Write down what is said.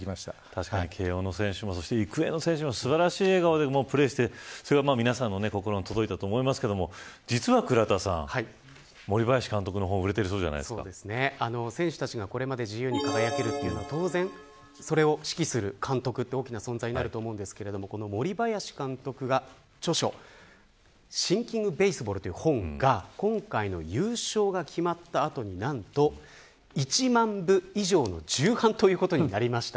確かに慶応の選手も育英の選手も素晴らしい笑顔でプレーしてそれが皆さんの心に届いたと思いますが、実は倉田さん森林監督の本が選手たちがこれまで自由に輝けるという当然、それを指揮する監督は大きな存在だと思いますが森林監督が著書、ＴｈｉｎｋｉｎｇＢａｓｅｂａｌｌという本が今回の優勝が決まった後に、何と１万部以上の重版ということになりました。